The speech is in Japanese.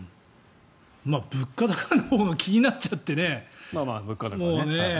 物価高のほうが気になっちゃってね。